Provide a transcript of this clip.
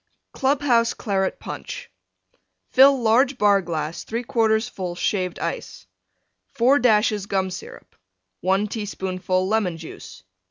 CLUB HOUSE CLARET PUNCH Fill large Bar glass 3/4 full Shaved Ice. 4 dashes Gum Syrup. 1 teaspoonful Lemon Juice.